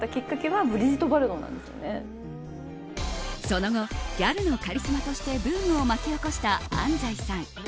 その後ギャルのカリスマとしてブームを巻き起こした安西さん。